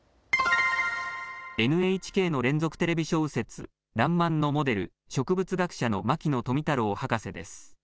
ＮＨＫの連続テレビ小説、らんまんのモデル、植物学者の牧野富太郎博士です。